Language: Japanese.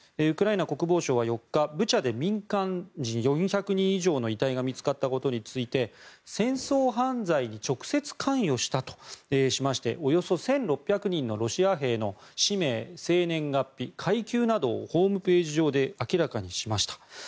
ウクライナ国防省は４日ブチャで民間人４００人以上の遺体が見つかったことについて戦争犯罪に直接関与したとしましておよそ１６００人のロシア兵の氏名、生年月日階級などをホームページ上で明らかにしました。